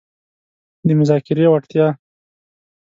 -د مذاکرې وړتیا